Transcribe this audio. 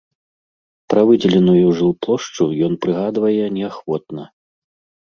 Пра выдзеленую жылплошчу ён прыгадвае неахвотна.